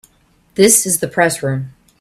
This is the Press Room.